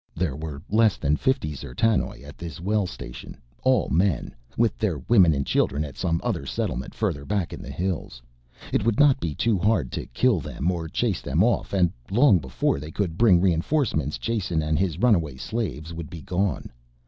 There were less than fifty D'zertanoj at this well station, all men, with their women and children at some other settlement further back in the hills. It would not be too hard to kill them or chase them off and long before they could bring reinforcements Jason and his runaway slaves would be gone.